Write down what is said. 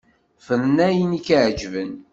Fren ayen i k-iεeǧben.